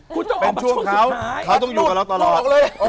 เป็นช่วงเขาเขาต้องอยู่กับเราตลอดเลย